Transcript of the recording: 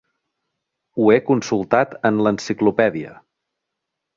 Ho he consultat en l'Enciclopèdia.